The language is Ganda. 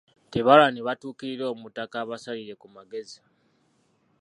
Tebaalwa ne batuukirira omutaka abasalire ku magezi.